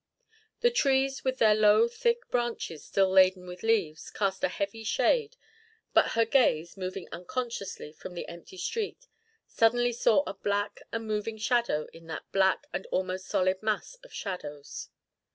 The trees, with their low thick branches still laden with leaves, cast a heavy shade, but her gaze, moving unconsciously from the empty street, suddenly saw a black and moving shadow in that black and almost solid mass of shadows.